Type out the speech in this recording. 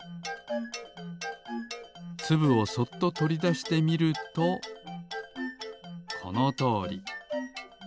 つぶをそっととりだしてみるとこのとおり。